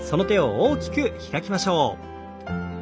大きく開きましょう。